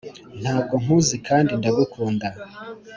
ntabwo nkuzi kandi ndagukunda.